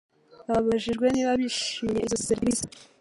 babajijwe niba bishimiye izo serivisi